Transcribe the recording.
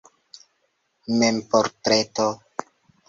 Memportreto.